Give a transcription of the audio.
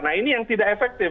nah ini yang tidak efektif